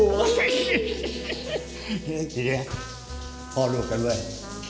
นี่นี่พอลูกกันเถอะ